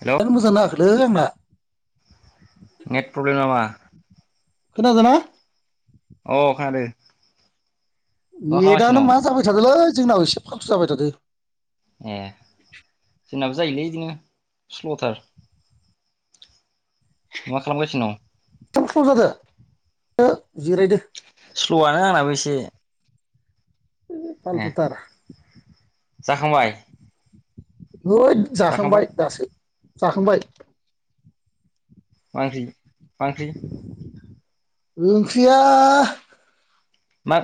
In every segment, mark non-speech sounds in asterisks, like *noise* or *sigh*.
Hello *unintelligible* लै आंना net problem नामा खोनादों ना अ खोनादो नेदानो मा जाबाय थादोलै जोंनाव एसे फालथु' जाबाय थादो ए जोंनाबो जायोलै इदिनो स्ल'थार मा खालामगासिनो दं *unintelligible* जिरायदो स्ल'आनो आंनाबो एसे ए फालथुथार जाखांबाय हैद जाखांबाय दासो जाखांबाय मा ओंख्रि मा ओंख्रि ओंख्रिया मा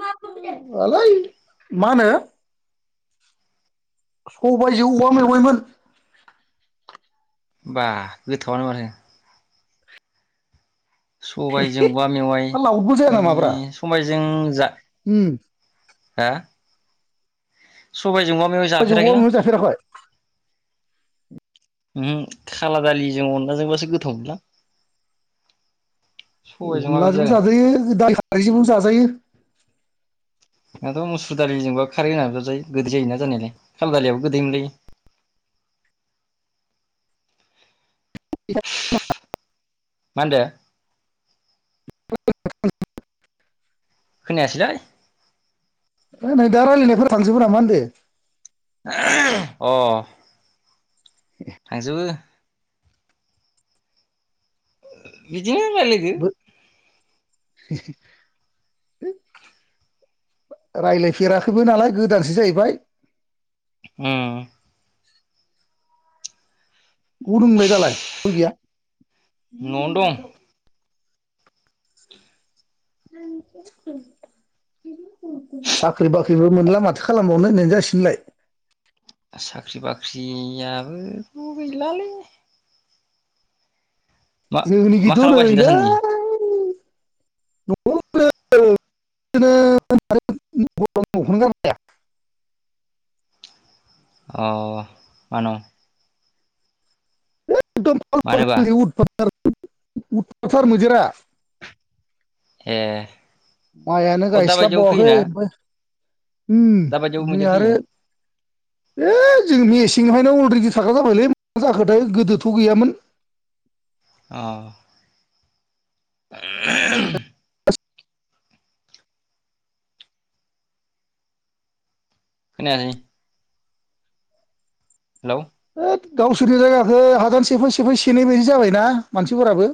मा होनो सबायजों औवा मेवायमोन बा गोथावआनो माथो सबायजों औवा मेवाइ लावदबो जाया नामाब्रा सबायजों जा उम हो? सबायजों सबाइजों औवा मेवाय जाफेराखै? उमहो खाला दालिजों अनलाजोंबासो गोथाव मोनोलां। अनलाजोंबो जाजायो। खारैजोंबाबो जा जायो। मुसुर दालिजोंबो खारै होनाबाबो जाजायो गोदै जायोना जानायालाय खाला दालियाबो गोदै मोनलायो। मा होनदो? *unintelligible* खोनायासैलै। नै दा रायज्लायनायफोरा थांजोबो नामा होनदों? अ थांजोबो बिदिनो रायज्लायदो। रायज्लायफेराखैबो नालाय गोदानसो जाहैबाय। उम अबाव दं नोंलाय दालाय *unintelligible* गैया? न'आवनो दं साख्रि बाख्रिबो मोनला माथो खालामबावनो होननायानो जासिगोनहोनलाय। साख्रि बाख्रियाबोथ गैलालै। मा मा जोंनिखैथ खालामगासिनो नैलै दासान्दि *unintelligible* अ मानो? *unintelligible* मानोबा *unintelligible* उथफाथ थार मैदेरा। ए माइयानो अ दाबायदियाव गायस्लाबबावाखै फैयोना ओमफ्राय उम दाबायदियाव नै मैदेर फैयो आरो ए जोंनि इस सिंहायनो अलरेडि थाग्रा जाबायलै मा जाखोथाय गोदोथ गैयामोन। अ खोनायासै। हेलौ है गावसोरनि जायगाखो हादान सेफाय सेफाय सेनाय बायदि जाबायना मानसिफोराबो।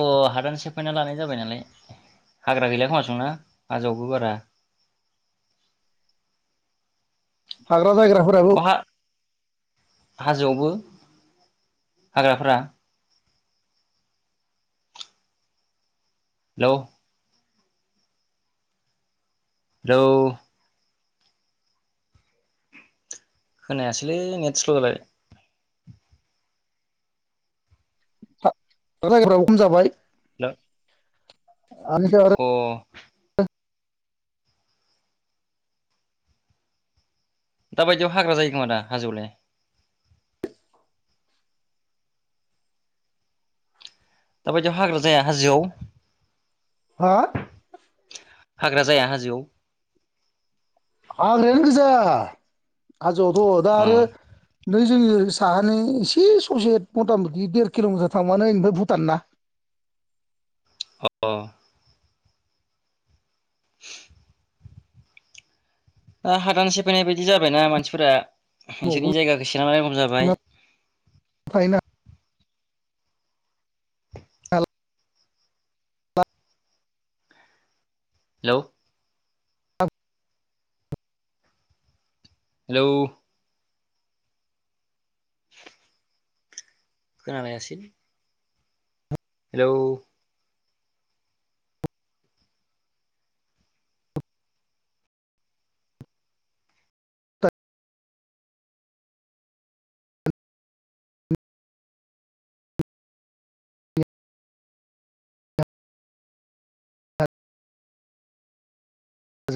अ हादान सेफायना लानाय जाबाय नालाय हाग्रा गैला खोमासांना हाजोआवबो बारा। फाल अहा हाजोआवबो हाग्राफोरा हेलौ हेलौ खोनायासैलै नेट स्ल जाबाय। दा जायगाफ्राबो खम जाबाय। *unintelligible* अ *unintelligible* दाबायदियाव हाग्रा जायो खोमा दा हाजोआवलाय दाबायदियाव हाग्रा जाया हाजोआव हा हाग्रा जाया हाजोआव हाग्रायानो गोजा हाजोआवथ' दा अ आरो नै जोंनि साहानि एसे ससे मथा मथि देर किल'मिटार थांबानो ओनिफ्राय भुटान ना अ *inaudible* दा हादान सेफानाय बायदि जाबायना मानसिफोरा न'आवबो नोंसोरनि जायगाखौ एसे नायनांगौ जाबाय थाहैनो हेलौ हेलौ *unintelligible* हेलौ